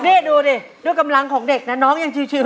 นี่ดูดิด้วยกำลังของเด็กนะน้องยังชิว